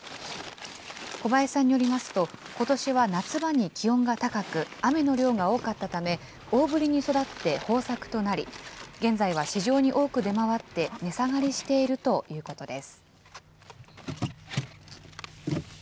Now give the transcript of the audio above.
小林さんによりますと、ことしは夏場に気温が高く、雨の量が多かったため、大ぶりに育って豊作となり、現在は市場に多く出回って値下がりしているということです。